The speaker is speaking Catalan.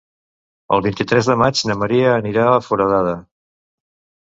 El vint-i-tres de maig na Maria anirà a Foradada.